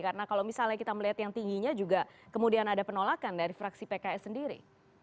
karena kalau misalnya kita melihat yang tingginya juga kemudian ada penolakan dari fraksi pks sendiri